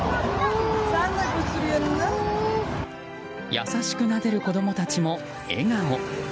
優しくなでる子供たちも笑顔。